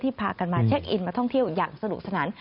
พากันมาเช็คอินมาท่องเที่ยวอย่างสนุกสนาน